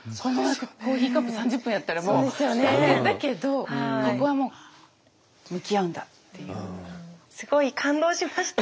コーヒーカップ３０分やったらもう大変だけどここはもうすごい感動しました。